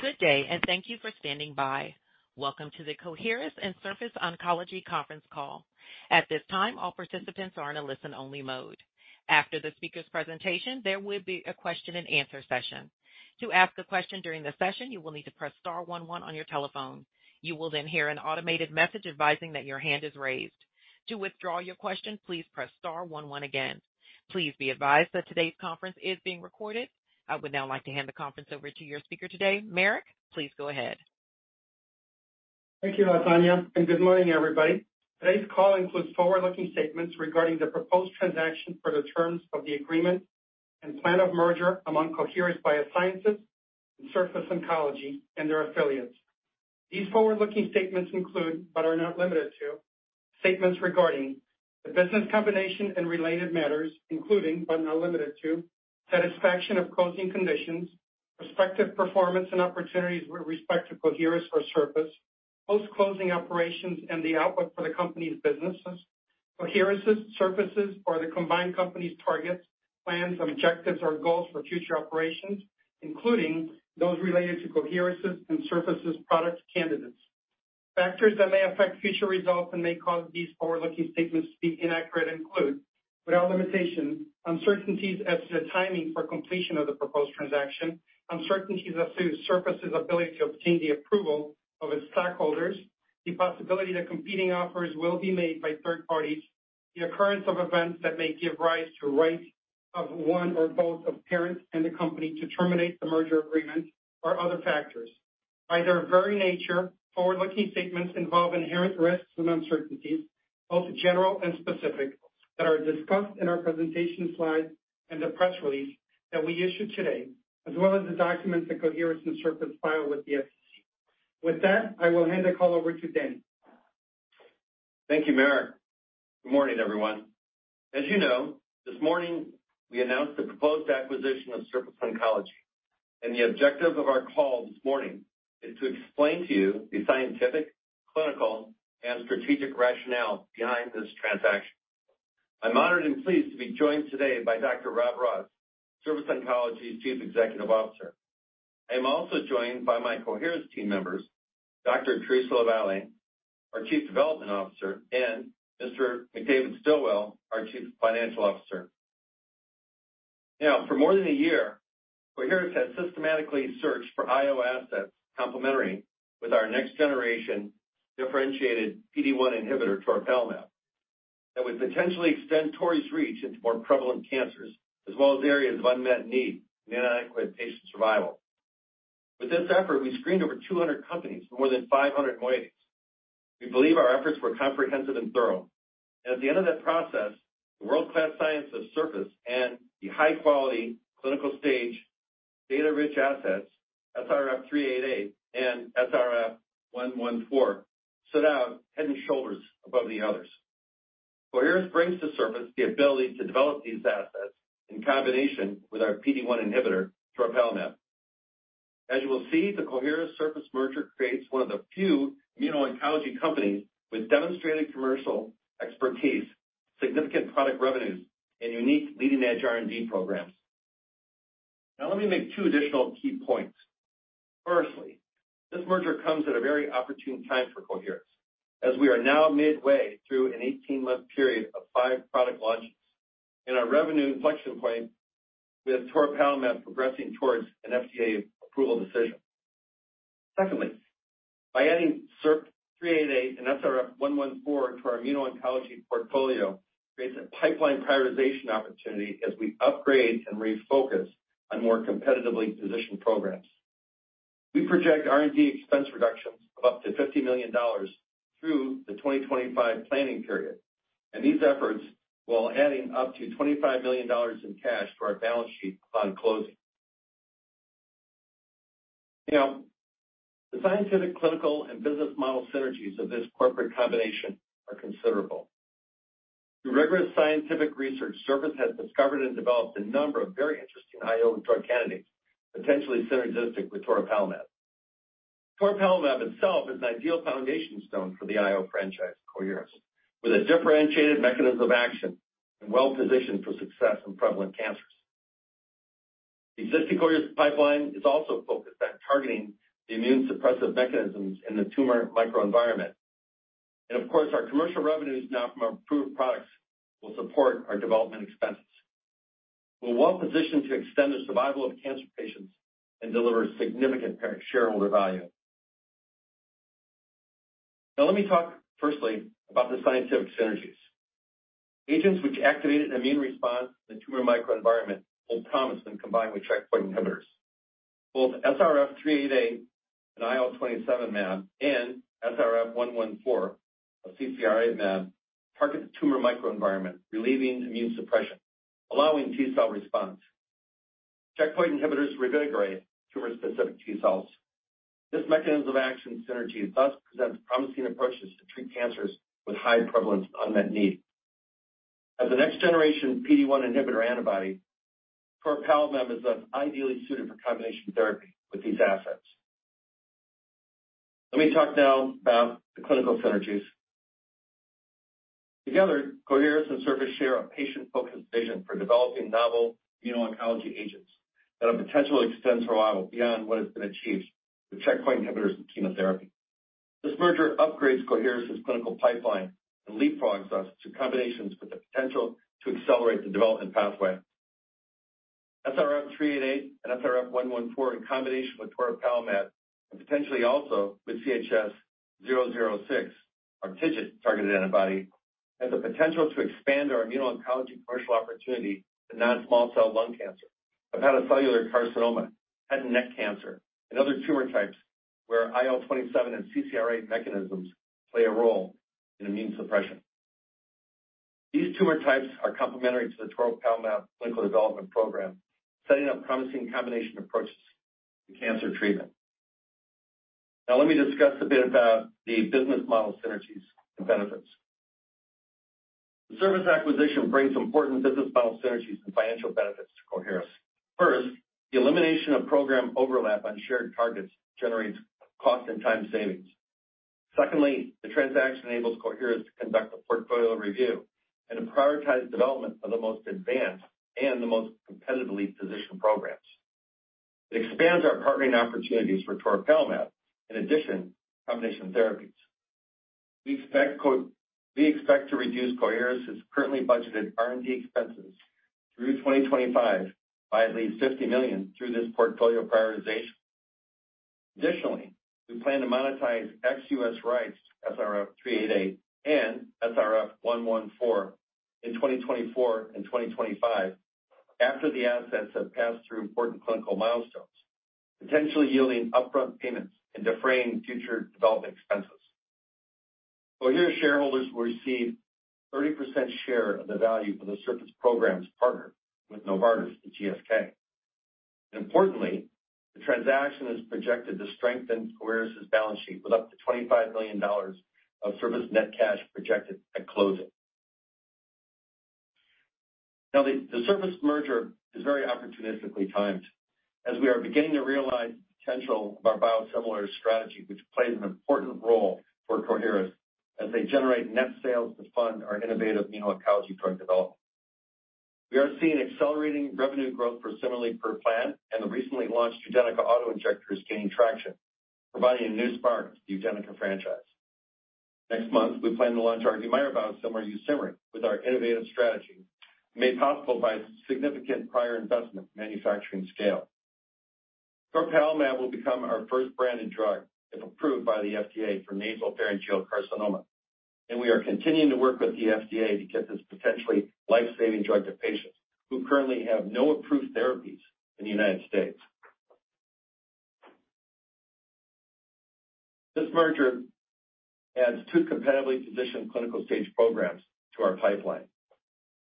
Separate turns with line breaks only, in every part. Good day, thank you for standing by. Welcome to the Coherus and Surface Oncology conference call. At this time, all participants are in a listen-only mode. After the speaker's presentation, there will be a question and answer session. To ask a question during the session, you will need to press star 11 on your telephone. You will hear an automated message advising that your hand is raised. To withdraw your question, please press star 11 again. Please be advised that today's conference is being recorded. I would now like to hand the conference over to your speaker today. Marek, please go ahead.
Thank you, Latonya. Good morning, everybody. Today's call includes forward-looking statements regarding the proposed transaction for the terms of the agreement and plan of merger among Coherus BioSciences and Surface Oncology and their affiliates. These forward-looking statements include, but are not limited to, statements regarding the business combination and related matters, including, but not limited to, satisfaction of closing conditions, prospective performance and opportunities with respect to Coherus or Surface, post-closing operations, and the output for the company's businesses, Coherus's, Surface's, or the combined company's targets, plans, objectives, or goals for future operations, including those related to Coherus's and Surface's product candidates. Factors that may affect future results and may cause these forward-looking statements to be inaccurate include, without limitation, uncertainties as to the timing for completion of the proposed transaction, uncertainties as to Surface's ability to obtain the approval of its stockholders, the possibility that competing offers will be made by third parties, the occurrence of events that may give rise to rights of one or both of parents and the company to terminate the merger agreement or other factors. By their very nature, forward-looking statements involve inherent risks and uncertainties, both general and specific, that are discussed in our presentation slides and the press release that we issued today, as well as the documents that Coherus and Surface filed with the SEC. With that, I will hand the call over to Denny.
Thank you, Marek. Good morning, everyone. As you know, this morning, we announced the proposed acquisition of Surface Oncology. The objective of our call this morning is to explain to you the scientific, clinical, and strategic rationale behind this transaction. I'm honored and pleased to be joined today by Dr. Rob Ross, Surface Oncology's Chief Executive Officer. I am also joined by my Coherus team members, Dr. Theresa LaVallee, our Chief Scientific & Development Officer, and Mr. McDavid Stilwell, our Chief Financial Officer. For more than a year, Coherus has systematically searched for IO assets complementary with our next-generation differentiated PD-1 inhibitor, toripalimab, that would potentially extend tori's reach into more prevalent cancers, as well as areas of unmet need and inadequate patient survival. With this effort, we screened over 200 companies for more than 500 meetings. We believe our efforts were comprehensive and thorough. At the end of that process, the world-class science of Surface and the high-quality, clinical-stage, data-rich assets, SRF388 and SRF114, stood out head and shoulders above the others. Coherus brings to Surface the ability to develop these assets in combination with our PD-1 inhibitor, toripalimab. As you will see, the Coherus Surface merger creates one of the few immuno-oncology companies with demonstrated commercial expertise, significant product revenues, and unique leading-edge R&D programs. Let me make 2 additional key points. Firstly, this merger comes at a very opportune time for Coherus, as we are now midway through an 18-month period of 5 product launches and our revenue inflection point with toripalimab progressing towards an FDA approval decision. Secondly, by adding SRF388 and SRF114 to our immuno-oncology portfolio, creates a pipeline prioritization opportunity as we upgrade and refocus on more competitively positioned programs. We project R&D expense reductions of up to $50 million through the 2025 planning period. These efforts, while adding up to $25 million in cash to our balance sheet upon closing. The scientific, clinical, and business model synergies of this corporate combination are considerable. Through rigorous scientific research, Surface Oncology has discovered and developed a number of very interesting IO drug candidates, potentially synergistic with toripalimab. Toripalimab itself is an ideal foundation stone for the IO franchise, Coherus, with a differentiated mechanism of action and well-positioned for success in prevalent cancers. The existing Coherus pipeline is also focused on targeting the immune suppressive mechanisms in the tumor microenvironment. Of course, our commercial revenues now from our approved products will support our development expenses. We're well-positioned to extend the survival of cancer patients and deliver significant shareholder value. Let me talk firstly about the scientific synergies. Agents which activated an immune response in the tumor microenvironment hold promise when combined with checkpoint inhibitors. Both SRF388 and IL-27 mAb and SRF114, a CCR8 mAb, target the tumor microenvironment, relieving immune suppression, allowing T-cell response. Checkpoint inhibitors reinvigorate tumor-specific T-cells. This mechanism of action synergy thus presents promising approaches to treat cancers with high prevalence of unmet need. As a next-generation PD-1 inhibitor antibody, toripalimab is thus ideally suited for combination therapy with these assets. Let me talk now about the clinical synergies. Together, Coherus and Surface Oncology share a patient-focused vision for developing novel immuno-oncology agents that will potentially extend survival beyond what has been achieved with checkpoint inhibitors and chemotherapy. This merger upgrades Coherus' clinical pipeline and leapfrogs us to combinations with the potential to accelerate the development pathway. SRF388 and SRF114, in combination with toripalimab, and potentially also with CHS-006, our TIGIT-targeted antibody, has the potential to expand our immuno-oncology commercial opportunity to non-small cell lung cancer, hepatocellular carcinoma, head and neck cancer, and other tumor types where IL-27 and CCR8 mechanisms play a role in immune suppression. These tumor types are complementary to the toripalimab clinical development program, setting up promising combination approaches to cancer treatment. Now, let me discuss a bit about the business model synergies and benefits. The Surface acquisition brings important business model synergies and financial benefits to Coherus. First, the elimination of program overlap on shared targets generates cost and time savings. Secondly, the transaction enables Coherus to conduct a portfolio review and to prioritize development of the most advanced and the most competitively positioned programs. It expands our partnering opportunities for toripalimab. In addition, combination therapies. We expect to reduce Coherus' currently budgeted R&D expenses through 2025 by at least $50 million through this portfolio prioritization. Additionally, we plan to monetize ex-US rights, SRF388 and SRF114, in 2024 and 2025 after the assets have passed through important clinical milestones, potentially yielding upfront payments and defraying future development expenses. Coherus shareholders will receive 30% share of the value for the Surface programs partnered with Novartis and GSK. Importantly, the transaction is projected to strengthen Coherus' balance sheet, with up to $25 million of Surface' net cash projected at closing. The Surface merger is very opportunistically timed, as we are beginning to realize the potential of our biosimilar strategy, which plays an important role for Coherus as they generate net sales to fund our innovative immuno-oncology product development. We are seeing accelerating revenue growth for CIMERLI per plan, and the recently launched UDENYCA auto-injector is gaining traction, providing a new spark to the UDENYCA franchise. Next month, we plan to launch our ranibizumab biosimilar YUSIMRY with our innovative strategy, made possible by significant prior investment manufacturing scale. toripalimab will become our first branded drug, if approved by the FDA for nasopharyngeal carcinoma, and we are continuing to work with the FDA to get this potentially life-saving drug to patients who currently have no approved therapies in the United States. This merger adds two competitively positioned clinical-stage programs to our pipeline.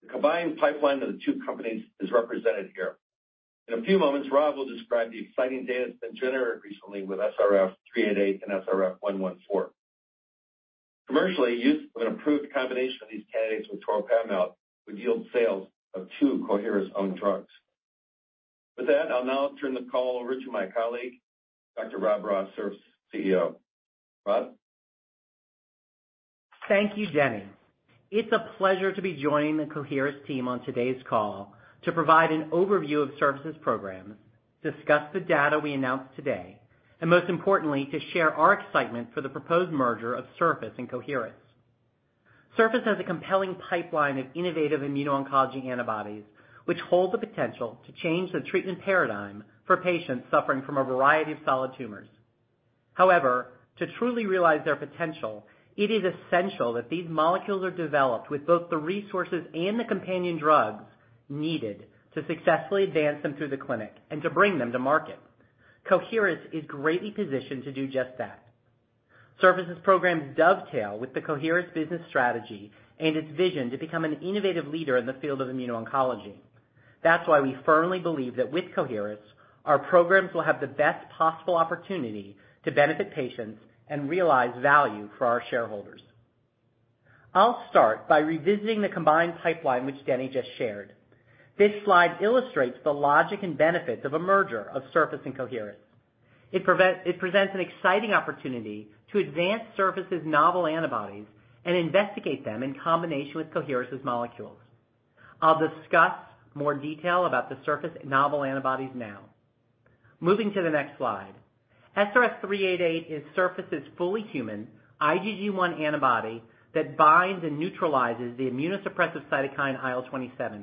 The combined pipeline of the two companies is represented here. In a few moments, Rob will describe the exciting data that's been generated recently with SRF388 and SRF114. Commercially, use of an approved combination of these candidates with toripalimab would yield sales of two Coherus-owned drugs. With that, I'll now turn the call over to my colleague, Dr. Rob Ross, Surface Oncology's CEO. Rob?
Thank you, Denny. It's a pleasure to be joining the Coherus team on today's call to provide an overview of Surface Oncology's programs, discuss the data we announced today, and most importantly, to share our excitement for the proposed merger of Surface Oncology and Coherus. Surface Oncology has a compelling pipeline of innovative immuno-oncology antibodies, which hold the potential to change the treatment paradigm for patients suffering from a variety of solid tumors. However, to truly realize their potential, it is essential that these molecules are developed with both the resources and the companion drugs needed to successfully advance them through the clinic and to bring them to market. Coherus is greatly positioned to do just that. Surface Oncology's programs dovetail with the Coherus business strategy and its vision to become an innovative leader in the field of immuno-oncology. That's why we firmly believe that with Coherus, our programs will have the best possible opportunity to benefit patients and realize value for our shareholders. I'll start by revisiting the combined pipeline, which Denny just shared. This slide illustrates the logic and benefits of a merger of Surface Oncology and Coherus. It presents an exciting opportunity to advance Surface Oncology's novel antibodies and investigate them in combination with Coherus' molecules. I'll discuss more detail about the Surface Oncology novel antibodies now. Moving to the next slide. SRF388 is Surface Oncology's fully human IgG1 antibody that binds and neutralizes the immunosuppressive cytokine IL-27.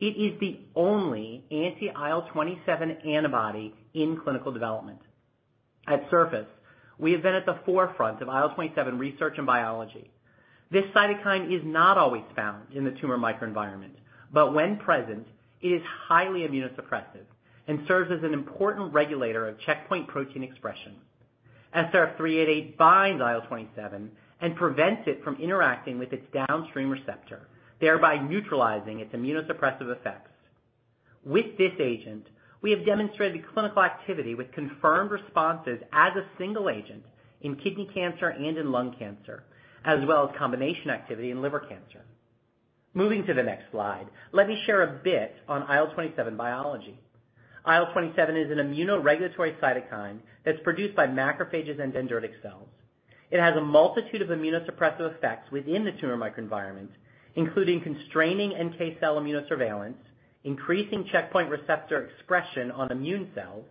It is the only anti-IL-27 antibody in clinical development. At Surface Oncology, we have been at the forefront of IL-27 research and biology. This cytokine is not always found in the tumor microenvironment, but when present, it is highly immunosuppressive and serves as an important regulator of checkpoint protein expression. SRF388 binds IL-27 and prevents it from interacting with its downstream receptor, thereby neutralizing its immunosuppressive effects. With this agent, we have demonstrated clinical activity with confirmed responses as a single agent in kidney cancer and in lung cancer, as well as combination activity in liver cancer. Moving to the next slide, let me share a bit on IL-27 biology. IL-27 is an immunoregulatory cytokine that's produced by macrophages and dendritic cells. It has a multitude of immunosuppressive effects within the tumor microenvironment, including constraining NK cell immunosurveillance, increasing checkpoint receptor expression on immune cells,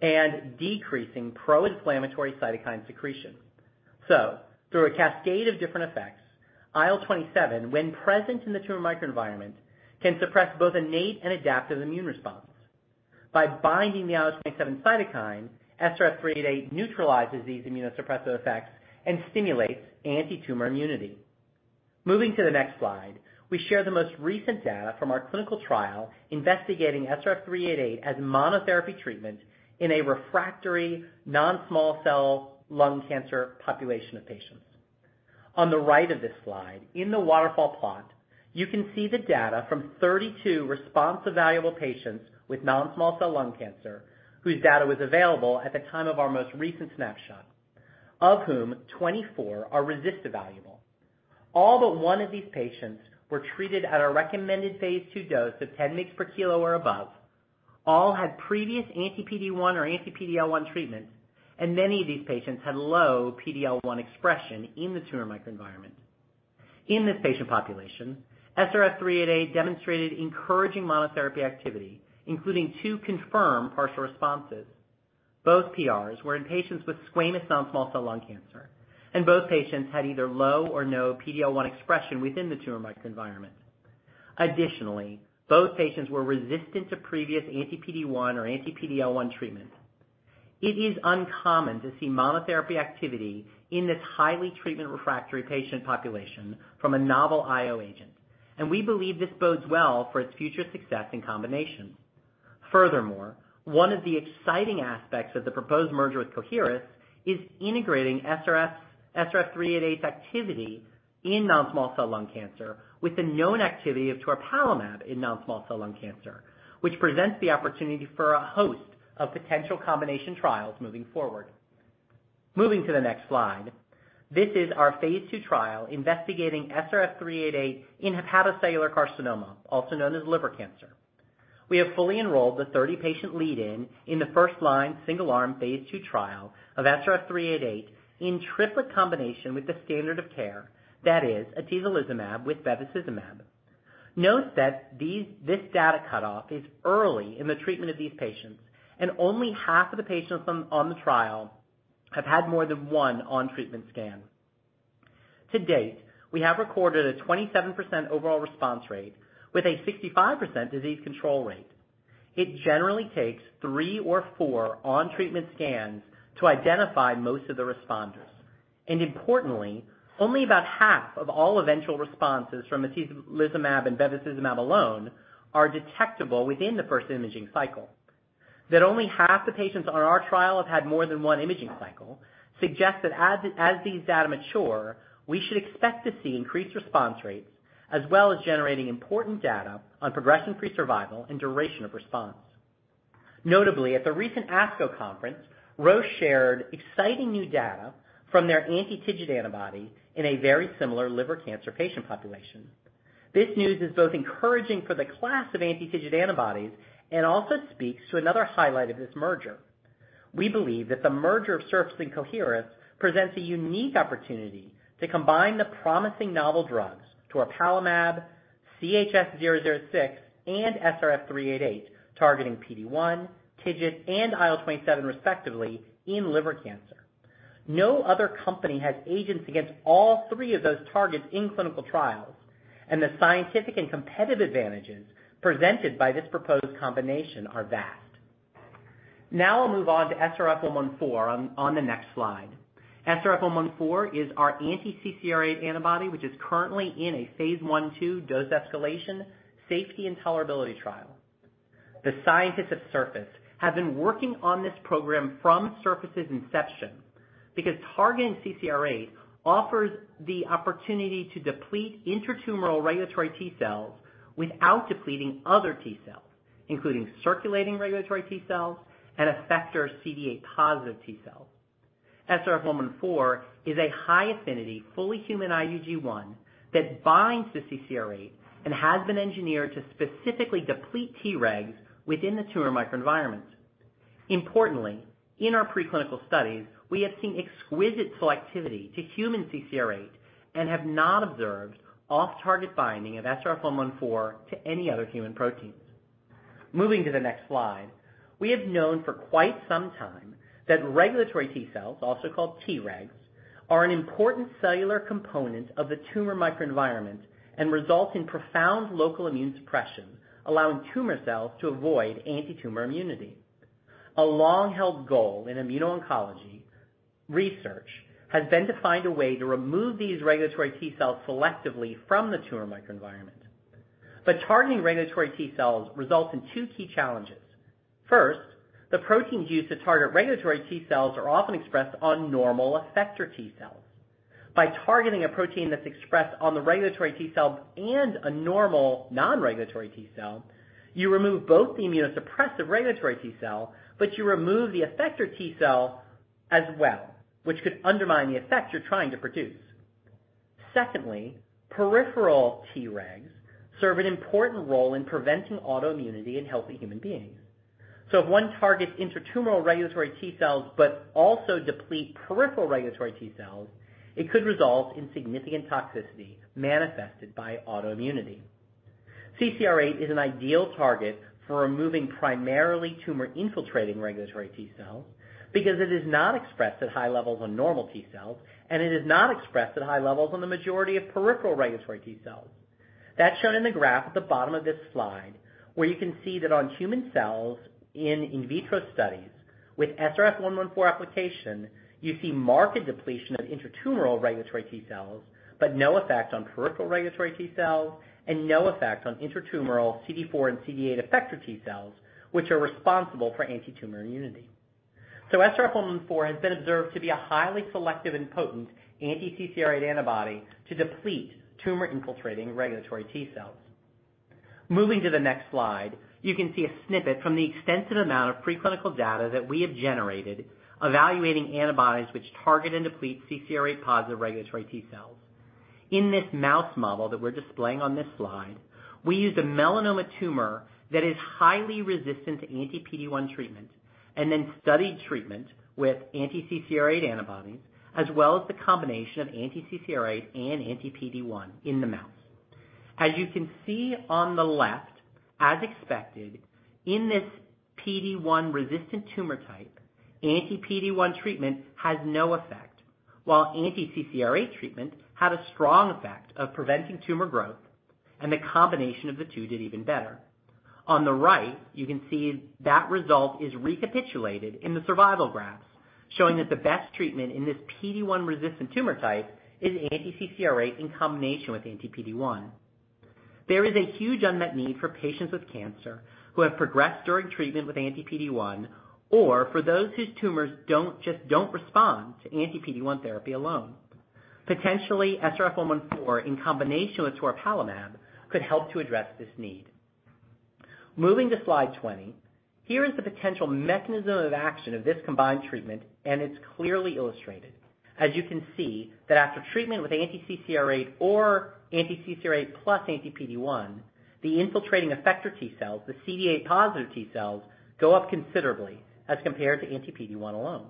and decreasing pro-inflammatory cytokine secretion. Through a cascade of different effects, IL-27, when present in the tumor microenvironment, can suppress both innate and adaptive immune responses. By binding the IL-27 cytokine, SRF388 neutralizes these immunosuppressive effects and stimulates antitumor immunity. Moving to the next slide, we share the most recent data from our clinical trial investigating SRF388 as monotherapy treatment in a refractory non-small cell lung cancer population of patients. On the right of this slide, in the waterfall plot, you can see the data from 32 response evaluable patients with non-small cell lung cancer, whose data was available at the time of our most recent snapshot, of whom 24 are RECIST evaluable. All but 1 of these patients were treated at our recommended phase 2 dose of 10 mg per kg or above. All had previous anti-PD-1 or anti-PD-L1 treatment, and many of these patients had low PD-L1 expression in the tumor microenvironment. In this patient population, SRF388 demonstrated encouraging monotherapy activity, including 2 confirmed partial responses. Both PRs were in patients with squamous non-small cell lung cancer, and both patients had either low or no PD-L1 expression within the tumor microenvironment. Additionally, both patients were resistant to previous anti-PD-1 or anti-PD-L1 treatment. It is uncommon to see monotherapy activity in this highly treatment-refractory patient population from a novel IO agent, and we believe this bodes well for its future success in combination. Furthermore, one of the exciting aspects of the proposed merger with Coherus is integrating SRF388's activity in non-small cell lung cancer with the known activity of toripalimab in non-small cell lung cancer, which presents the opportunity for a host of potential combination trials moving forward. Moving to the next slide, this is our phase 2 trial investigating SRF388 in hepatocellular carcinoma, also known as liver cancer. We have fully enrolled the 30-patient lead-in in the first-line, single-arm, phase 2 trial of SRF388 in triplet combination with the standard of care, that is, atezolizumab with bevacizumab. Note that this data cutoff is early in the treatment of these patients, and only half of the patients on the trial have had more than 1 on-treatment scan. To date, we have recorded a 27% overall response rate with a 65% disease control rate. It generally takes 3 or 4 on-treatment scans to identify most of the responders. Importantly, only about half of all eventual responses from atezolizumab and bevacizumab alone are detectable within the first imaging cycle. That only half the patients on our trial have had more than 1 imaging cycle suggests that as these data mature, we should expect to see increased response rates, as well as generating important data on progression-free survival and duration of response. Notably, at the recent ASCO conference, Roche shared exciting new data from their anti-TIGIT antibody in a very similar liver cancer patient population. This news is both encouraging for the class of anti-TIGIT antibodies and also speaks to another highlight of this merger. We believe that the merger of Surface and Coherus presents a unique opportunity to combine the promising novel drugs toripalimab, CHS-006, and SRF388, targeting PD-1, TIGIT, and IL-27, respectively, in liver cancer. No other company has agents against all three of those targets in clinical trials, and the scientific and competitive advantages presented by this proposed combination are vast. I'll move on to SRF114 on the next slide. SRF114 is our anti-CCR8 antibody, which is currently in a phase 1/2 dose escalation, safety and tolerability trial. The scientists at Surface have been working on this program from Surface's inception, because targeting CCR8 offers the opportunity to deplete intratumoral regulatory T cells without depleting other T cells, including circulating regulatory T cells and effector CD8+ T cells. SRF114 is a high-affinity, fully human IgG1 that binds to CCR8 and has been engineered to specifically deplete Tregs within the tumor microenvironment. Importantly, in our preclinical studies, we have seen exquisite selectivity to human CCR8 and have not observed off-target binding of SRF114 to any other human proteins. Moving to the next slide, we have known for quite some time that regulatory T cells, also called Tregs, are an important cellular component of the tumor microenvironment and result in profound local immune suppression, allowing tumor cells to avoid antitumor immunity. A long-held goal in immuno-oncology research has been to find a way to remove these regulatory T cells selectively from the tumor microenvironment. Targeting regulatory T cells results in two key challenges. First, the proteins used to target regulatory T cells are often expressed on normal effector T cells. By targeting a protein that's expressed on the regulatory T cell and a normal non-regulatory T cell, you remove both the immunosuppressive regulatory T cell, but you remove the effector T cell as well, which could undermine the effect you're trying to produce. Secondly, peripheral Tregs serve an important role in preventing autoimmunity in healthy human beings. If one targets intratumoral regulatory T cells, but also deplete peripheral regulatory T cells, it could result in significant toxicity manifested by autoimmunity. CCR8 is an ideal target for removing primarily tumor-infiltrating regulatory T cells, because it is not expressed at high levels on normal T cells, and it is not expressed at high levels on the majority of peripheral regulatory T cells. That's shown in the graph at the bottom of this slide, where you can see that on human cells in vitro studies with SRF114 application, you see marked depletion of intratumoral regulatory T cells, but no effect on peripheral regulatory T cells and no effect on intratumoral CD4 and CD8 effector T cells, which are responsible for antitumor immunity. SRF114 has been observed to be a highly selective and potent anti-CCR8 antibody to deplete tumor-infiltrating regulatory T cells. Moving to the next slide, you can see a snippet from the extensive amount of preclinical data that we have generated, evaluating antibodies which target and deplete CCR8-positive regulatory T cells. In this mouse model that we're displaying on this slide, we used a melanoma tumor that is highly resistant to anti-PD-1 treatment, and then studied treatment with anti-CCR8 antibodies, as well as the combination of anti-CCR8 and anti-PD-1 in the mouse. As you can see on the left, as expected, in this PD-1 resistant tumor type, anti-PD-1 treatment has no effect, while anti-CCR8 treatment had a strong effect of preventing tumor growth, and the combination of the two did even better. On the right, you can see that result is recapitulated in the survival graphs, showing that the best treatment in this PD-1 resistant tumor type is anti-CCR8 in combination with anti-PD-1. There is a huge unmet need for patients with cancer who have progressed during treatment with anti-PD-1, or for those whose tumors just don't respond to anti-PD-1 therapy alone. Potentially, SRF114, in combination with toripalimab, could help to address this need. Moving to slide 20, here is the potential mechanism of action of this combined treatment, and it's clearly illustrated. As you can see, that after treatment with anti-CCR8 or anti-CCR8 plus anti-PD-1, the infiltrating effector T cells, the CD8+ T cells, go up considerably as compared to anti-PD-1 alone.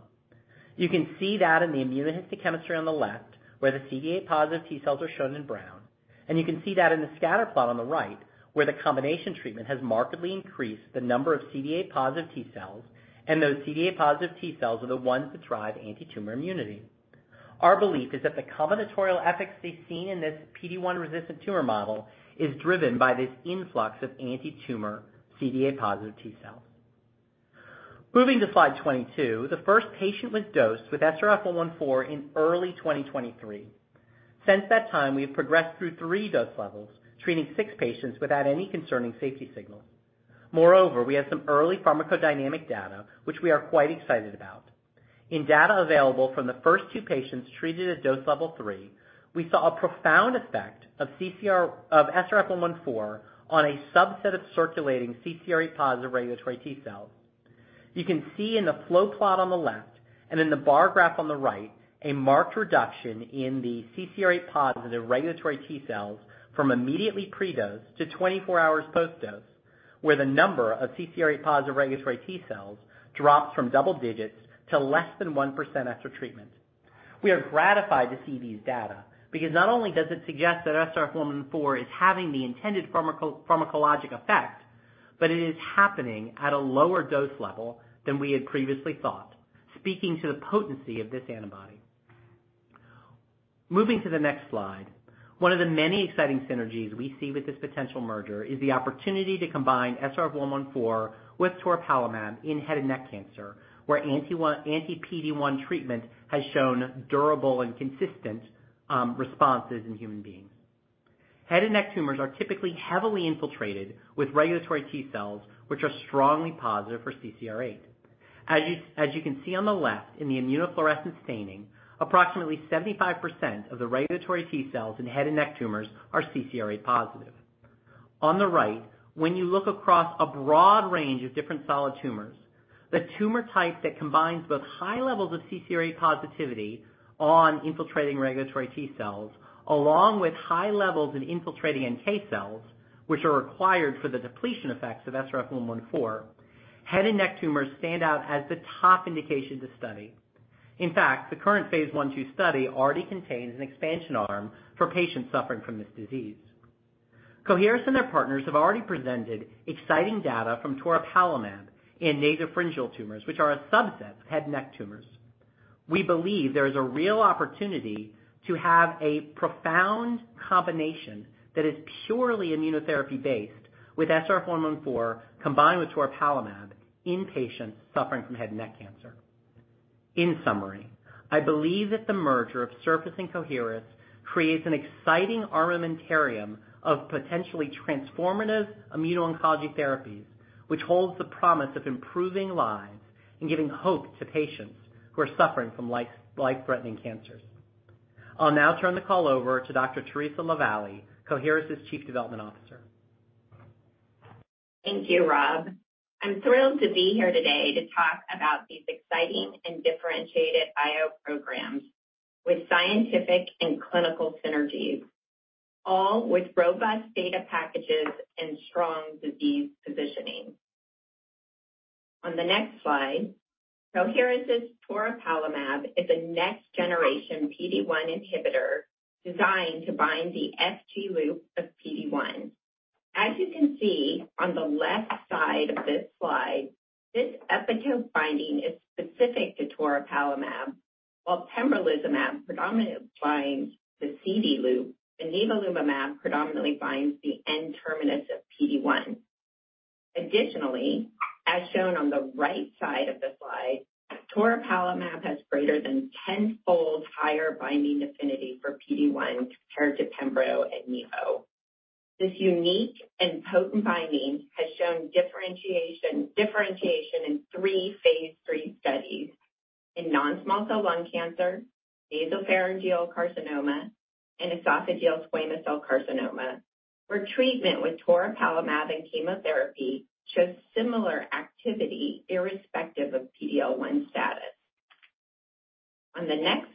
You can see that in the immunohistochemistry on the left, where the CD8+ T cells are shown in brown, and you can see that in the scatter plot on the right, where the combination treatment has markedly increased the number of CD8+ T cells, and those CD8+ T cells are the ones that drive antitumor immunity. Our belief is that the combinatorial efficacy seen in this PD-1 resistant tumor model is driven by this influx of antitumor CD8+ T cells. Moving to slide 22, the first patient was dosed with SRF114 in early 2023. Since that time, we have progressed through 3 dose levels, treating 6 patients without any concerning safety signal. We have some early pharmacodynamic data, which we are quite excited about. In data available from the first two patients treated at dose level three, we saw a profound effect of SRF114 on a subset of circulating CCR8-positive regulatory T cells. You can see in the flow plot on the left and in the bar graph on the right, a marked reduction in the CCR8-positive regulatory T cells from immediately pre-dose to 24 hours post-dose, where the number of CCR8-positive regulatory T cells drops from double digits to less than 1% after treatment. We are gratified to see these data because not only does it suggest that SRF114 is having the intended pharmacologic effect, it is happening at a lower dose level than we had previously thought, speaking to the potency of this antibody. Moving to the next slide, one of the many exciting synergies we see with this potential merger is the opportunity to combine SRF114 with toripalimab in head and neck cancer, where anti-PD-1 treatment has shown durable and consistent responses in human beings. Head and neck tumors are typically heavily infiltrated with regulatory T cells, which are strongly positive for CCR8. As you, as you can see on the left, in the immunofluorescence staining, approximately 75% of the regulatory T cells in head and neck tumors are CCR8 positive. On the right, when you look across a broad range of different solid tumors, the tumor type that combines both high levels of CCR8 positivity on infiltrating regulatory T cells, along with high levels in infiltrating NK cells, which are required for the depletion effects of SRF114, head and neck tumors stand out as the top indication to study. In fact, the current phase 1/2 study already contains an expansion arm for patients suffering from this disease. Coherus and their partners have already presented exciting data from toripalimab in nasopharyngeal tumors, which are a subset of head and neck tumors. We believe there is a real opportunity to have a profound combination that is purely immunotherapy-based, with SRF114, combined with toripalimab, in patients suffering from head and neck cancer. In summary, I believe that the merger of Surface and Coherus creates an exciting armamentarium of potentially transformative immuno-oncology therapies, which holds the promise of improving lives and giving hope to patients who are suffering from life-threatening cancers. I'll now turn the call over to Dr. Theresa LaVallee, Coherus' Chief Development Officer.
Thank you, Rob. I'm thrilled to be here today to talk about these exciting and differentiated IO programs with scientific and clinical synergies, all with robust data packages and strong disease positioning. On the next slide, Coherus' toripalimab is a next-generation PD-1 inhibitor designed to bind the FG loop of PD-1. As you can see on the left side of this slide, this epitope binding is specific to toripalimab, while pembrolizumab predominantly binds the C'D loop, and nivolumab predominantly binds the N-terminus of PD-1. As shown on the right side of the slide, toripalimab has greater than 10-fold higher binding affinity for PD-1 compared to pembro and nivo. This unique and potent binding has shown differentiation in 3 phase III studies in non-small cell lung cancer, nasopharyngeal carcinoma, and esophageal squamous cell carcinoma, where treatment with toripalimab and chemotherapy showed similar activity irrespective of PD-L1 status. On the next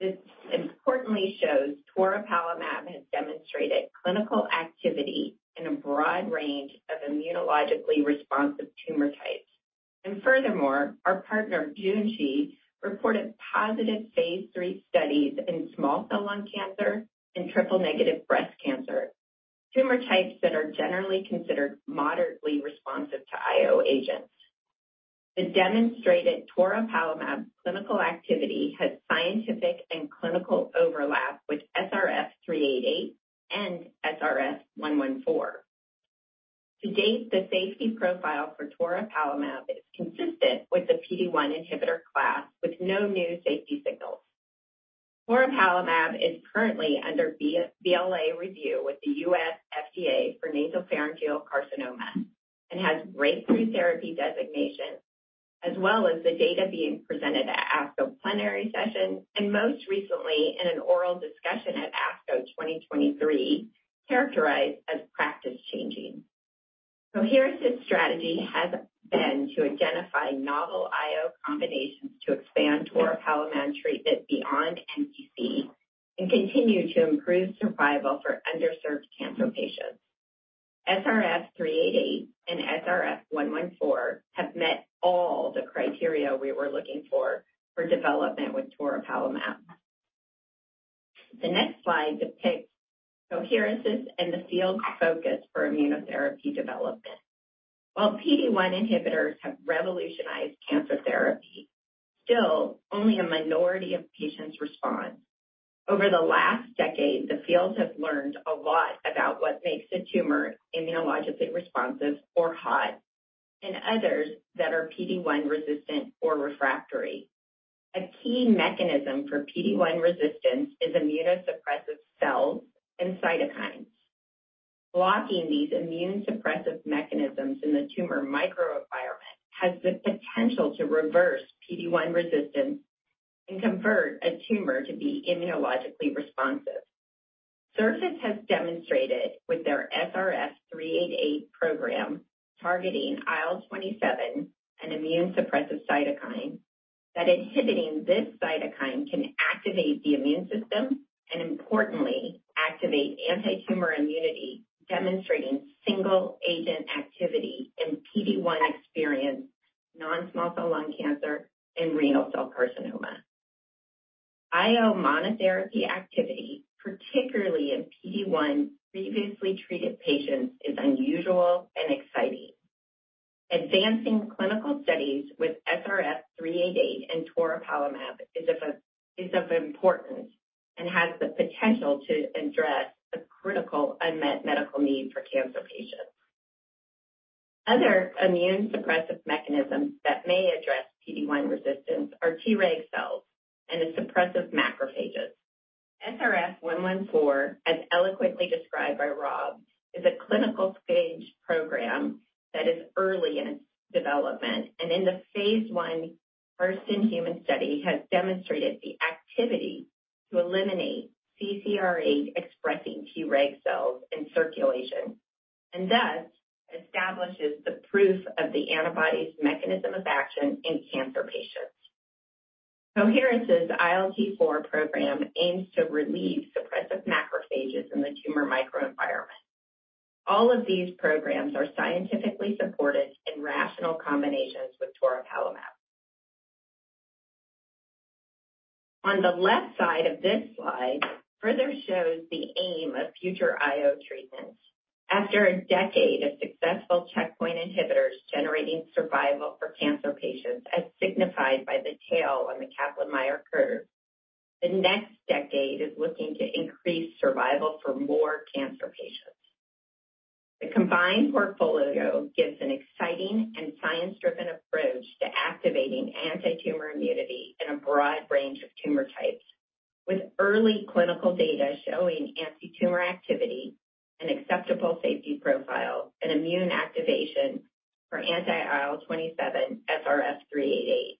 slide, this importantly shows toripalimab has demonstrated clinical activity in a broad range of immunologically responsive tumor types. Furthermore, our partner, Junshi, reported positive phase III studies in small cell lung cancer and triple-negative breast cancer, tumor types that are generally considered moderately responsive to IO agents. The demonstrated toripalimab clinical activity has scientific and clinical overlap with SRF388 and SRF114. To date, the safety profile for toripalimab is consistent with the PD-1 inhibitor class, with no new safety signals. Toripalimab is currently under BLA review with the US FDA for nasopharyngeal carcinoma and has breakthrough therapy designation, as well as the data being presented at ASCO plenary session and most recently in an oral discussion at ASCO 2023, characterized as practice-changing. Here, this strategy has been to identify novel IO combinations to expand toripalimab treatment beyond NPC and continue to improve survival for underserved cancer patients. SRF388 and SRF114 have met all the criteria we were looking for for development with toripalimab. The next slide depicts Coherus' and the field's focus for immunotherapy development. While PD-1 inhibitors have revolutionized cancer therapy, still, only a minority of patients respond. Over the last decade, the field has learned a lot about what makes a tumor immunologically responsive or hot, and others that are PD-1 resistant or refractory. A key mechanism for PD-1 resistance is immunosuppressive cells and cytokines. Blocking these immune suppressive mechanisms in the tumor microenvironment has the potential to reverse PD-1 resistance and convert a tumor to be immunologically responsive. Surface has demonstrated with their SRF388 program, targeting IL-27, an immune suppressive cytokine, that inhibiting this cytokine can activate the immune system and importantly, activate antitumor immunity, demonstrating single-agent activity in PD-1 experience, non-small cell lung cancer, and renal cell carcinoma. IO monotherapy activity, particularly in PD-1 previously treated patients, is unusual and exciting. Advancing clinical studies with SRF388 and toripalimab is of importance and has the potential to address the critical unmet medical need for cancer patients. Other immune suppressive mechanisms that may address PD-1 resistance are Treg cells and the suppressive macrophages. SRF114, as eloquently described by Rob, is a clinical stage program that is early in its development, and in the Phase I first in human study, has demonstrated the activity to eliminate CCR8-expressing Treg cells in circulation, and thus establishes the proof of the antibody's mechanism of action in cancer patients. Coherus' ILT-4 program aims to relieve suppressive macrophages in the tumor microenvironment. All of these programs are scientifically supported in rational combinations with toripalimab. On the left side of this slide, further shows the aim of future IO treatments. After a decade of successful checkpoint inhibitors generating survival for cancer patients, as signified by the tail on the Kaplan-Meier curve, the next decade is looking to increase survival for more cancer patients. The combined portfolio gives an exciting and science-driven approach to activating antitumor immunity in a broad range of tumor types, with early clinical data showing antitumor activity, an acceptable safety profile, and immune activation for anti-IL-27 SRF388.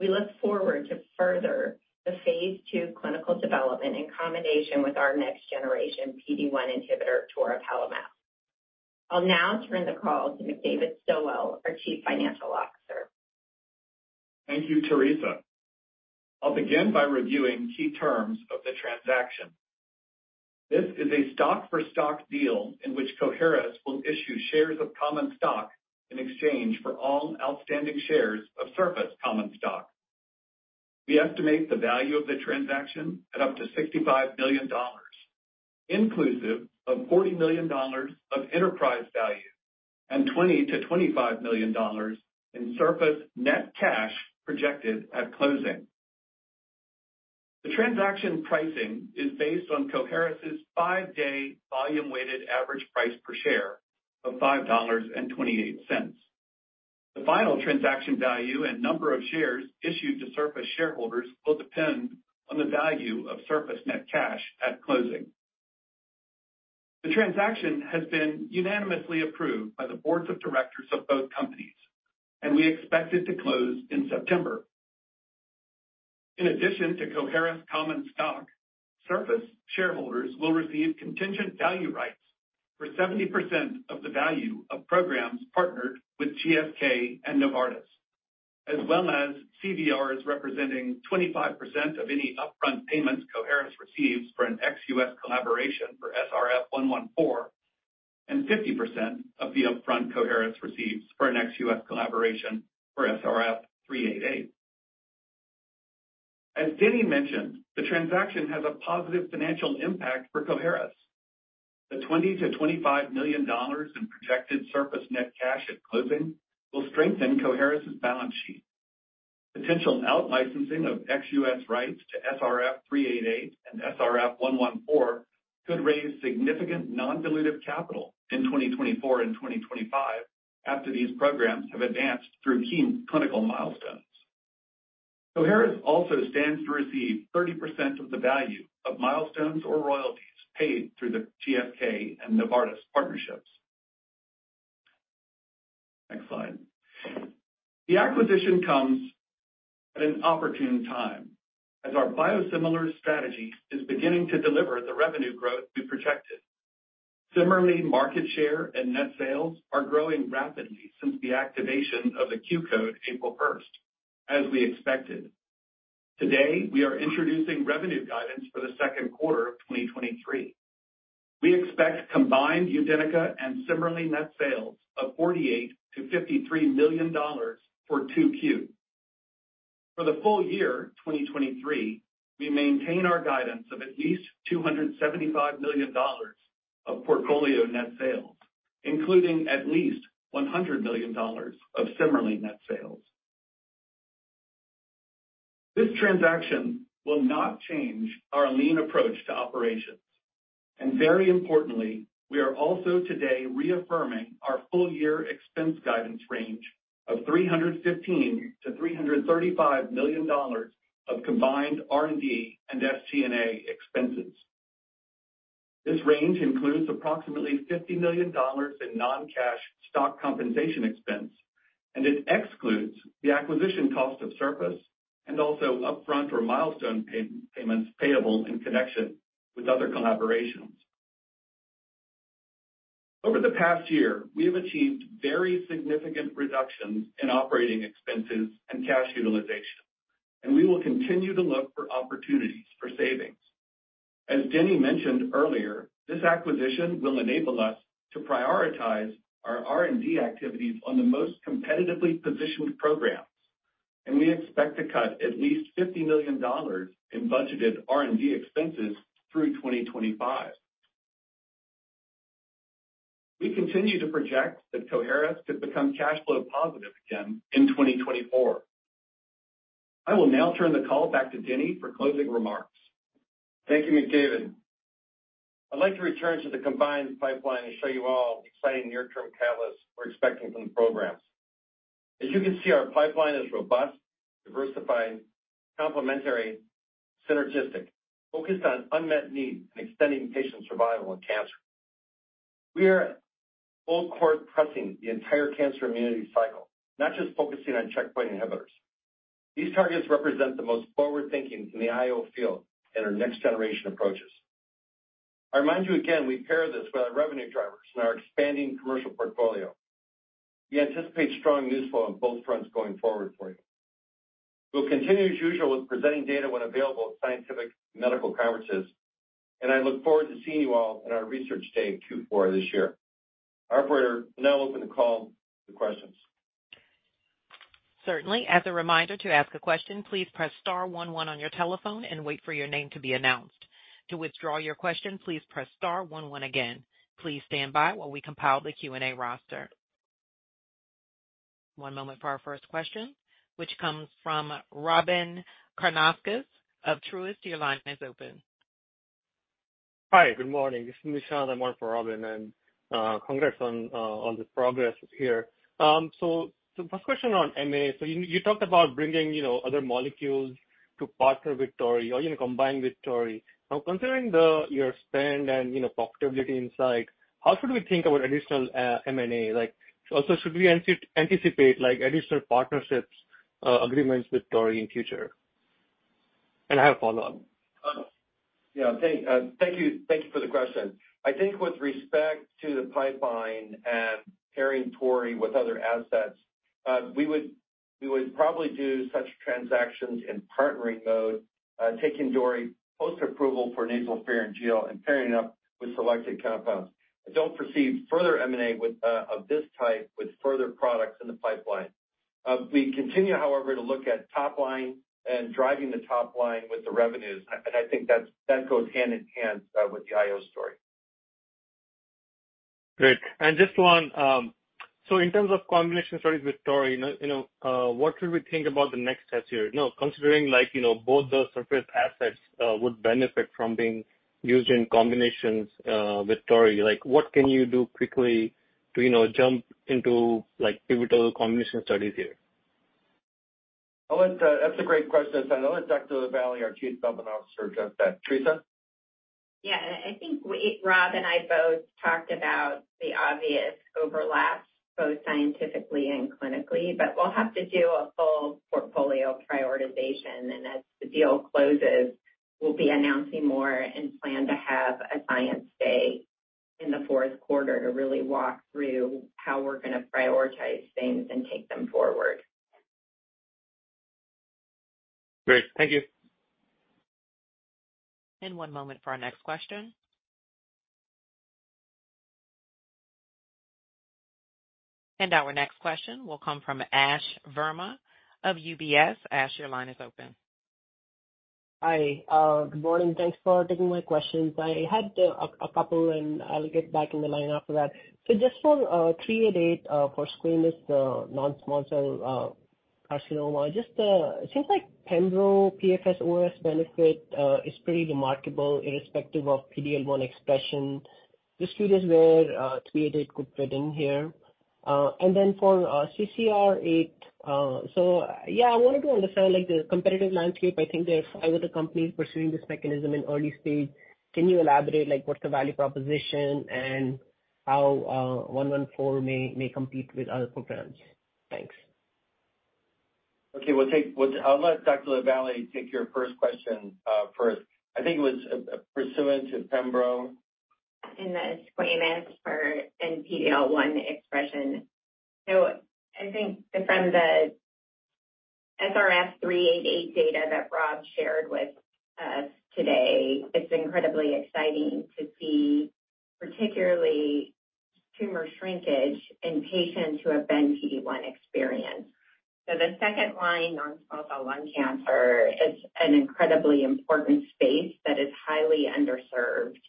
We look forward to further the phase 2 clinical development in combination with our next generation PD-1 inhibitor, toripalimab. I'll now turn the call to McDavid Stilwell, our Chief Financial Officer.
Thank you, Teresa. I'll begin by reviewing key terms of the transaction. This is a stock-for-stock deal in which Coherus will issue shares of common stock in exchange for all outstanding shares of Surface common stock. We estimate the value of the transaction at up to $65 million, inclusive of $40 million of enterprise value and $20 million-$25 million in Surface net cash projected at closing. The transaction pricing is based on Coherus' 5-day volume-weighted average price per share of $5.28. The final transaction value and number of shares issued to Surface shareholders will depend on the value of Surface net cash at closing. The transaction has been unanimously approved by the boards of directors of both companies, and we expect it to close in September. In addition to Coherus common stock, Surface shareholders will receive contingent value rights for 70% of the value of programs partnered with GSK and Novartis, as well as CVRs, representing 25% of any upfront payments Coherus receives for an ex US collaboration for SRF114, and 50% of the upfront Coherus receives for an ex US collaboration for SRF388. As Denny mentioned, the transaction has a positive financial impact for Coherus. The $20 million-$25 million in projected Surface net cash at closing will strengthen Coherus' balance sheet. Potential out licensing of ex US rights to SRF388 and SRF114 could raise significant non-dilutive capital in 2024 and 2025 after these programs have advanced through key clinical milestones. Coherus also stands to receive 30% of the value of milestones or royalties paid through the GSK and Novartis partnerships. Next slide. The acquisition comes at an opportune time as our biosimilar strategy is beginning to deliver the revenue growth we projected. Similarly, market share and net sales are growing rapidly since the activation of the Q code April 1st, as we expected. Today, we are introducing revenue guidance for the 2Q 2023. We expect combined UDENYCA and CIMERLI net sales of $48 million-$53 million for 2Q. For the full year 2023, we maintain our guidance of at least $275 million of portfolio net sales, including at least $100 million of CIMERLI net sales. This transaction will not change our lean approach to operations. Very importantly, we are also today reaffirming our full-year expense guidance range of $315 million-$335 million of combined R&D and SG&A expenses. This range includes approximately $50 million in non-cash stock compensation expense. It excludes the acquisition cost of Surface Oncology and also upfront or milestone payments payable in connection with other collaborations. Over the past year, we have achieved very significant reductions in operating expenses and cash utilization. We will continue to look for opportunities for savings. As Denny mentioned earlier, this acquisition will enable us to prioritize our R&D activities on the most competitively positioned programs. We expect to cut at least $50 million in budgeted R&D expenses through 2025. We continue to project that Coherus could become cash flow positive again in 2024. I will now turn the call back to Denny for closing remarks.
Thank you, McDavid. I'd like to return to the combined pipeline and show you all the exciting near-term catalysts we're expecting from the programs. As you can see, our pipeline is robust, diversified, complementary, synergistic, focused on unmet needs, and extending patient survival in cancer. We are full court pressing the entire cancer immunity cycle, not just focusing on checkpoint inhibitors. These targets represent the most forward-thinking in the IO field and our next-generation approaches. I remind you again, we pair this with our revenue drivers and our expanding commercial portfolio. We anticipate strong news flow on both fronts going forward for you. We'll continue as usual with presenting data when available at scientific medical conferences. I look forward to seeing you all in our research day in Q4 this year. Our operator will now open the call to questions.
Certainly. As a reminder, to ask a question, please press star one one on your telephone and wait for your name to be announced. To withdraw your question, please press star one one again. Please stand by while we compile the Q&A roster. One moment for our first question, which comes from Robyn Karnauskas of Truist. Your line is open.
Hi, good morning. This is Nishant. I'm one for Robyn. Congrats on the progress here. The first question on MA. You talked about bringing, you know, other molecules to partner with toripalimab or even combine with toripalimab. Considering the, your spend and, you know, profitability insight, how should we think about additional M&A? Like, also, should we anticipate like additional partnerships, agreements with toripalimab in future? I have follow-up.
Thank you, thank you for the question. I think with respect to the pipeline and pairing toripalimab with other assets, we would probably do such transactions in partnering mode, taking toripalimab post-approval for nasopharyngeal and pairing it up with selected compounds. I don't foresee further M&A of this type with further products in the pipeline. We continue, however, to look at top line and driving the top line with the revenues, I think that's, that goes hand-in-hand with the IO story.
Great. Just one, so in terms of combination studies with toripalimab, you know, what should we think about the next test here? You know, considering like, you know, both those Surface assets would benefit from being used in combinations with toripalimab, like, what can you do quickly to, you know, jump into, like, pivotal combination studies here?
Oh, that's a great question. I'll let Dr. LaVallee, our chief development officer, address that. Theresa?
Yeah, I think we, Rob and I both talked about the obvious overlaps, both scientifically and clinically, but we'll have to do a full portfolio prioritization. As the deal closes, we'll be announcing more and plan to have a science day in the fourth quarter to really walk through how we're gonna prioritize things and take them forward.
Great. Thank you.
One moment for our next question. Our next question will come from Ash Verma of UBS. Ash, your line is open.
Hi, good morning. Thanks for taking my questions. I had a couple, and I'll get back in the line after that. Just for SRF388, for squamous non-small cell carcinoma, it seems like pembro PFS OS benefit is pretty remarkable irrespective of PD-L1 expression. This field is where SRF388 could fit in here. For CCR8, yeah, I wanted to understand, like, the competitive landscape. I think there are five other companies pursuing this mechanism in early stage. Can you elaborate, like, what's the value proposition and how SRF114 may compete with other programs? Thanks.
Okay, I'll let Dr. LaVallee take your first question, first. I think it was pursuant to pembro.
In the squamous for PD-L1 expression. I think from the SRF388 data that Rob shared with us today, it's incredibly exciting to see particularly tumor shrinkage in patients who have been PD-1 experienced. The second line on small cell lung cancer is an incredibly important space that is highly underserved.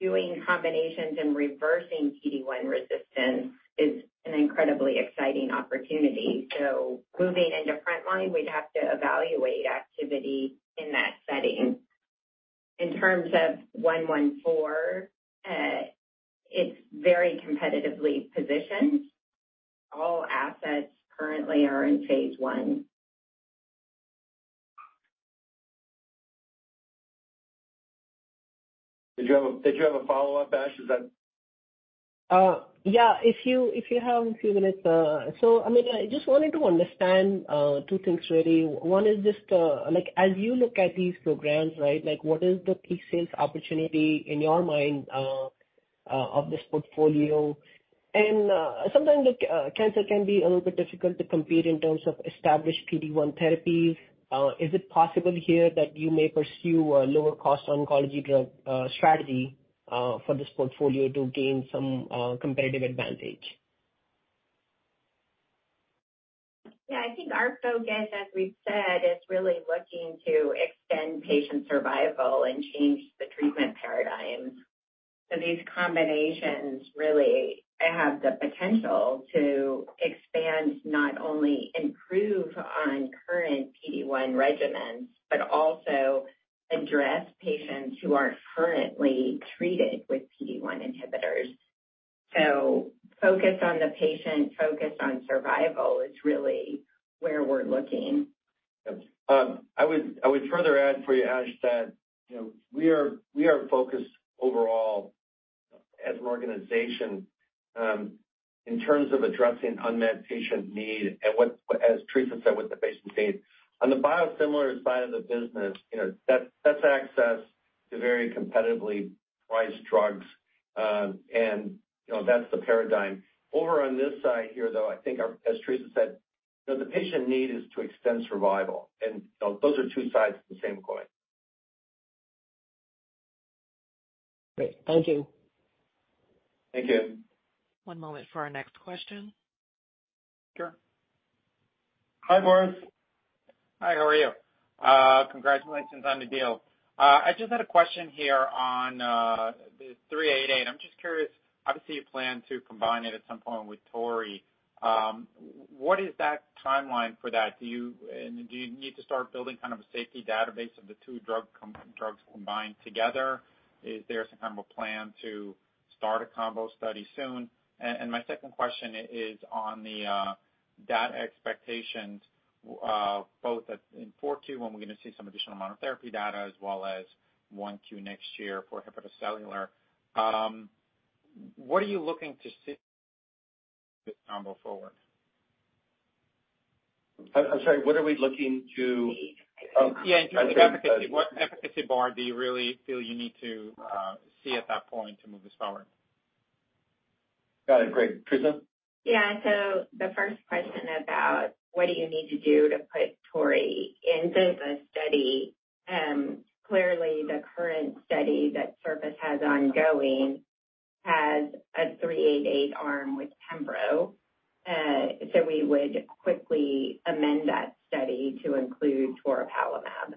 Doing combinations and reversing PD-1 resistance is an incredibly exciting opportunity. Moving into frontline, we'd have to evaluate activity in that setting. In terms of SRF114, it's very competitively positioned. All assets currently are in phase I.
Did you have a follow-up, Ash?
Yeah, if you have a few minutes, I mean, I just wanted to understand two things really. One is just, like, as you look at these programs, right, like, what is the pre-sales opportunity in your mind of this portfolio? Sometimes the cancer can be a little bit difficult to compete in terms of established PD-1 therapies. Is it possible here that you may pursue a lower-cost oncology drug strategy for this portfolio to gain some competitive advantage?
Yeah, I think our focus, as we've said, is really looking to extend patient survival and change the treatment paradigm. These combinations really have the potential to expand, not only improve on current PD-1 regimens, but also address patients who are currently treated with PD-1 inhibitors. Focused on the patient, focused on survival is really where we're looking.
Yes. I would further add for you, Ash, that, you know, we are focused overall as an organization, in terms of addressing unmet patient need and what, as Theresa said, with the patient need. On the biosimilar side of the business, you know, that's access to very competitively priced drugs, and, you know, that's the paradigm. Over on this side here, though, I think our, as Theresa said, you know, the patient need is to extend survival, and, you know, those are two sides of the same coin.
Great. Thank you.
Thank you.
One moment for our next question.
Sure. Hi, Boris.
Hi, how are you? Congratulations on the deal. I just had a question here on, the 388. I'm just curious, obviously, you plan to combine it at some point with toripalimab. What is that timeline for that? Do you, and do you need to start building kind of a safety database of the two drugs combined together? Is there some kind of a plan to start a combo study soon? My second question is on the data expectations, both at in 4Q, when we're gonna see some additional monotherapy data, as well as 1Q next year for hepatocellular. What are you looking to see combo forward?
I'm sorry. What are we looking to...
Yeah. In terms of efficacy, what efficacy bar do you really feel you need to see at that point to move this forward?
Got it. Great, Theresa?
The first question about what do you need to do to put Tori into the study? Clearly, the current study that Surface has ongoing has a 388 arm with pembro. We would quickly amend that study to include toripalimab.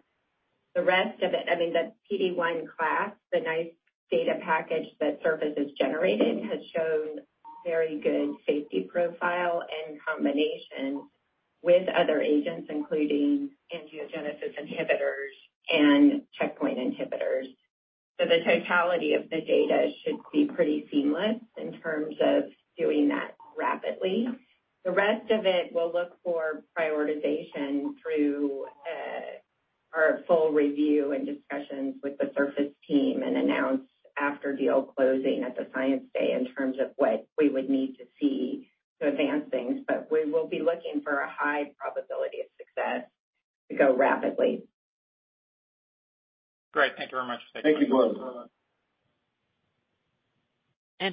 The rest of it, the PD-1 class, the nice data package that Surface has generated, has shown very good safety profile and combination with other agents, including angiogenesis inhibitors and checkpoint inhibitors. The totality of the data should be pretty seamless in terms of doing that rapidly. The rest of it will look for prioritization through our full review and discussions with the Surface team and announce after deal closing at the Science Day in terms of what we would need to see to advance things. We will be looking for a high probability of success to go rapidly.
Great. Thank you very much.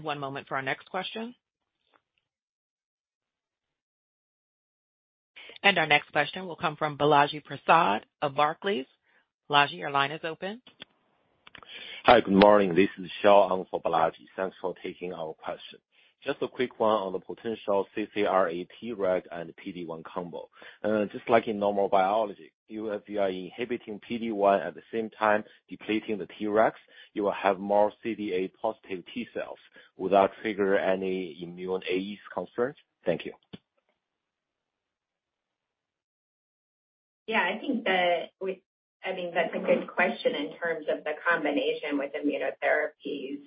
One moment for our next question. Our next question will come from Balaji Prasad of Barclays. Balaji, your line is open.
Hi, good morning. This is Xiao, I'm for Balaji. Thanks for taking our question. Just a quick one on the potential CCR8 Treg and PD-1 combo. Just like in normal biology, you, if you are inhibiting PD-1 at the same time, depleting the Tregs, you will have more CDA positive T-cells without trigger any immune AEs concerns? Thank you.
I think that's a good question in terms of the combination with immunotherapies.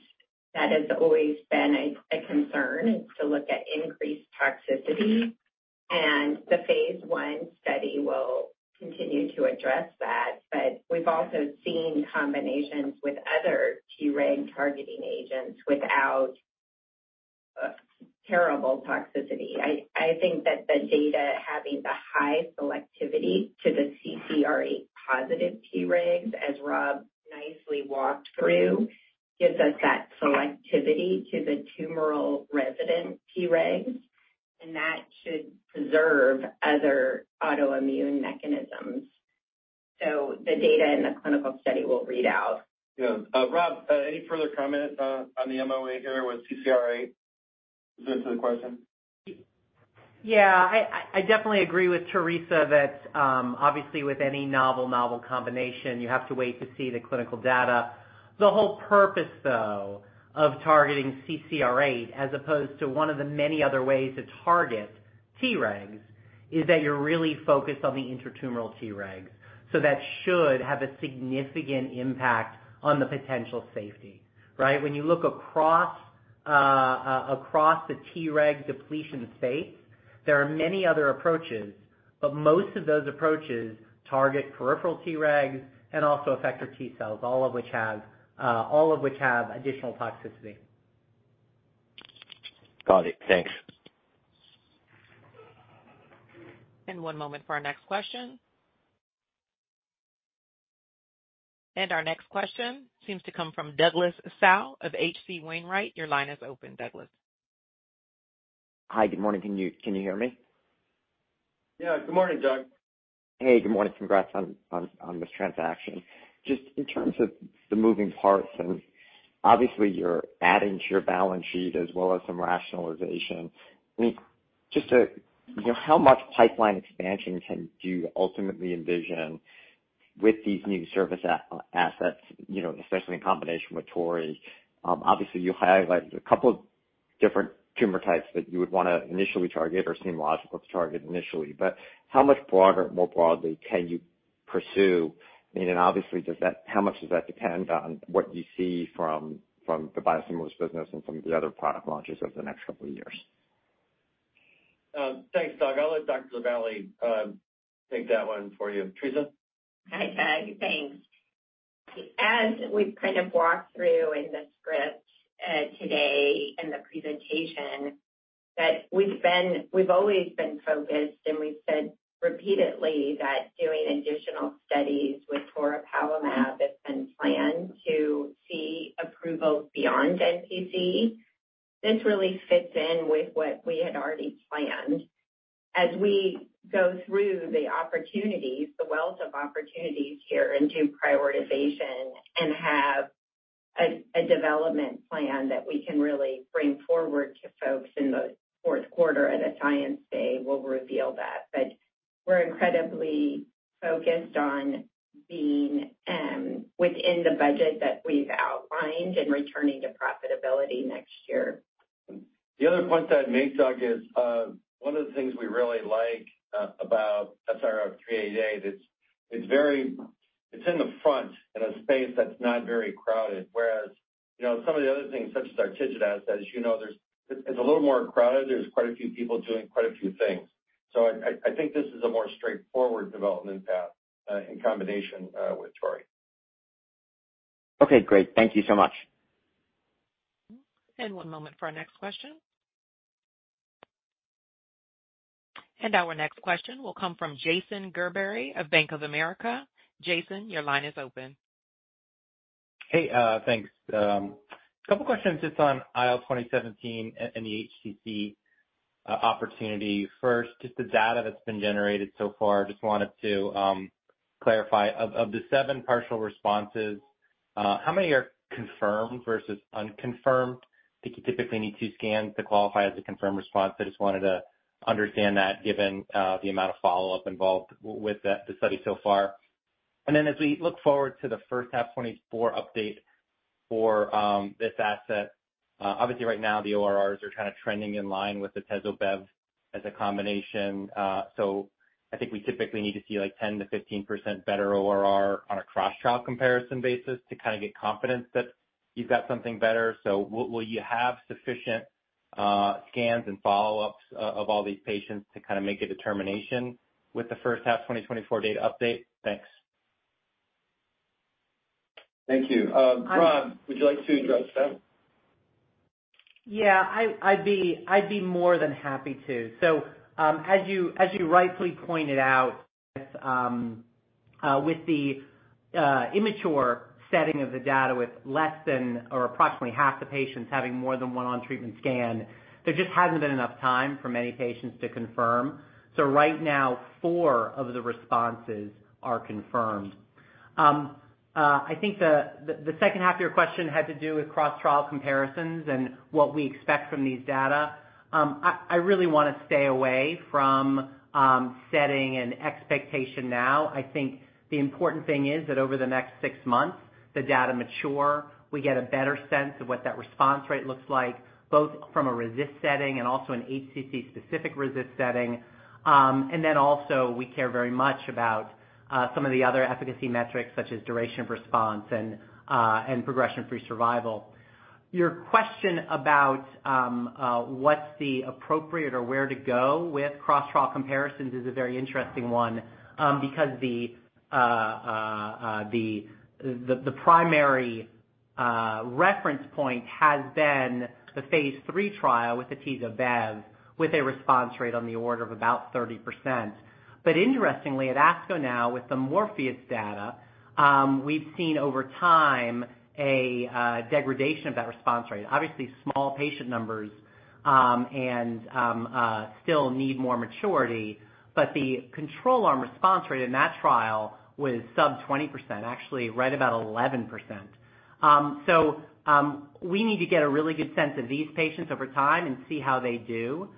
That has always been a concern, is to look at increased toxicity, and the phase I study will continue to address that. We've also seen combinations with other Tregs targeting agents without terrible toxicity. I think that the data having the high selectivity to the CCR8 positive Tregs, as Rob nicely walked through, gives us that selectivity to the tumoral resident Tregs, and that should preserve other autoimmune mechanisms. The data in the clinical study will read out.
Yeah. Rob, any further comment on the MOA here with CCR8? Is this the question?
I definitely agree with Theresa that, obviously, with any novel combination, you have to wait to see the clinical data. The whole purpose, though, of targeting CCR8, as opposed to one of the many other ways to target Tregs, is that you're really focused on the intratumoral Tregs. That should have a significant impact on the potential safety, right? When you look across the Treg depletion space, there are many other approaches, most of those approaches target peripheral Tregs and also effector T cells, all of which have additional toxicity.
Got it. Thanks.
One moment for our next question. Our next question seems to come from Douglas Tsao of H.C. Wainwright. Your line is open, Douglas.
Hi, good morning. Can you hear me?
Yeah. Good morning, Doug.
Hey, good morning. Congrats on this transaction. Just in terms of the moving parts, obviously, you're adding to your balance sheet as well as some rationalization. I mean, just to, you know, how much pipeline expansion can you ultimately envision with these new service assets, you know, especially in combination with Tori? Obviously, you highlighted a couple of different tumor types that you would wanna initially target or seem logical to target initially. How much broader, more broadly, can you pursue? I mean, obviously, how much does that depend on what you see from the biosimilars business and from the other product launches over the next couple of years?
Thanks, Doug. I'll let Dr. LaVallee take that one for you. Theresa?
Hi, Doug, thanks. As we've kind of walked through in the script, today in the presentation, that we've always been focused, and we've said repeatedly that doing additional studies with toripalimab has been planned to see approval beyond NPC. This really fits in with what we had already planned. As we go through the opportunities, the wealth of opportunities here, and do prioritization and have a development plan that we can really bring forward to folks in the fourth quarter at the Science Day, we'll reveal that. We're incredibly focused on being within the budget that we've outlined and returning to profitability next year.
The other point I'd make, Doug, is, one of the things we really like about SRF388, it's in the front in a space that's not very crowded. Whereas, you know, some of the other things, such as our TIGIT assets, as you know, there's, it's a little more crowded. There's quite a few people doing quite a few things. I think this is a more straightforward development path in combination with toripalimab.
Okay, great. Thank you so much.
One moment for our next question. Our next question will come from Jason Gerberry of Bank of America. Jason, your line is open.
Hey, thanks. A couple questions just on IO 2017 and the HCC opportunity. First, just the data that's been generated so far, just wanted to clarify. Of the 7 partial responses, how many are confirmed versus unconfirmed? I think you typically need 2 scans to qualify as a confirmed response. I just wanted to understand that given the amount of follow-up involved with the study so far. As we look forward to the first half 2024 update for this asset, obviously right now, the ORRs are kind of trending in line with atezo/bev as a combination. I think we typically need to see, like, 10%-15% better ORR on a cross-trial comparison basis to kind of get confidence that you've got something better. Will you have sufficient scans and follow-ups of all these patients to kind of make a determination with the first half 2024 data update? Thanks.
Thank you. Rob, would you like to address that?
I'd be more than happy to. As you rightfully pointed out, with the immature setting of the data, with less than or approximately half the patients having more than 1 on-treatment scan, there just hasn't been enough time for many patients to confirm. Right now, 4 of the responses are confirmed. I think the second half of your question had to do with cross-trial comparisons and what we expect from these data. I really want to stay away from setting an expectation now. I think the important thing is that over the next 6 months, the data mature, we get a better sense of what that response rate looks like, both from a RECIST setting and also an HCC-specific RECIST setting. And then also, we care very much about some of the other efficacy metrics, such as duration of response and progression-free survival. Your question about what's the appropriate or where to go with cross-trial comparisons is a very interesting one, because the the the primary reference point has been the phase 3 trial with atezo/bev, with a response rate on the order of about 30%. Interestingly, at ASCO now, with the MORPHEUS data, we've seen over time a degradation of that response rate. Obviously, small patient numbers, and still need more maturity, but the control arm response rate in that trial was sub 20%, actually, right about 11%. We need to get a really good sense of these patients over time and see how they do.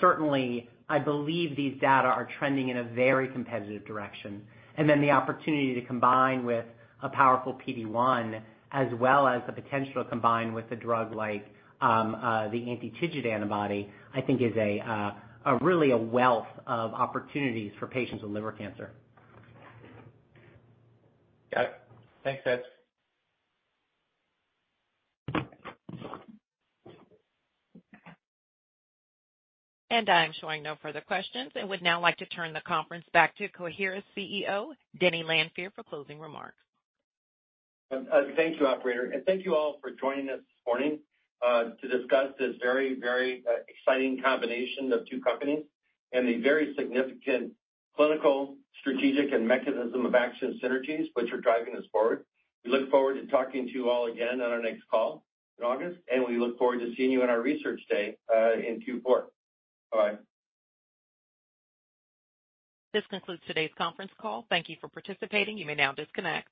Certainly, I believe these data are trending in a very competitive direction. Then the opportunity to combine with a powerful PD-1, as well as the potential to combine with a drug like, the anti-TIGIT antibody, I think is a really a wealth of opportunities for patients with liver cancer.
Got it. Thanks, guys.
I'm showing no further questions and would now like to turn the conference back to Coherus CEO, Denny Lanfear, for closing remarks.
Thank you, operator, and thank you all for joining us this morning to discuss this very, very exciting combination of two companies and the very significant clinical, strategic, and mechanism of action synergies which are driving us forward. We look forward to talking to you all again on our next call in August, and we look forward to seeing you on our research day in Q4. Bye-bye.
This concludes today's conference call. Thank you for participating. You may now disconnect.